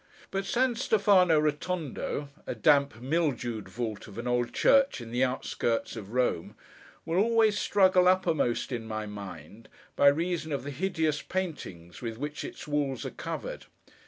But St. Stefano Rotondo, a damp, mildewed vault of an old church in the outskirts of Rome, will always struggle uppermost in my mind, by reason of the hideous paintings with which its walls are covered.